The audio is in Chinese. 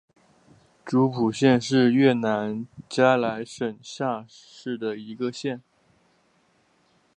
诸蒲县是越南嘉莱省下辖的一个县。